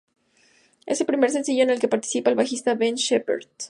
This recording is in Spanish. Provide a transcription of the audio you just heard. Es el primer sencillo en el que participa el bajista Ben Shepherd.